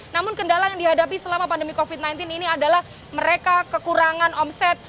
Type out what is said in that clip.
namun kendala yang dihadapi selama pandemi covid sembilan belas ini adalah mereka kekurangan omset